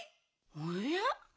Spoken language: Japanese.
おや？